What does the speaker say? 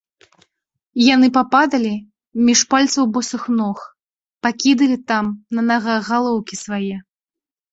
Яны пападалі між пальцаў босых ног, пакідалі там на нагах галоўкі свае.